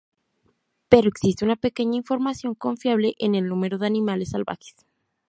Pero existe una pequeña información confiable en el número de animales salvajes.